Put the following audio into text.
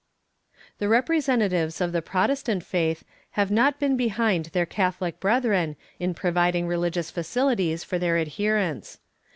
The representatives of the Protestant faith have not been behind their Catholic brethren in providing religious facilities for their adherents.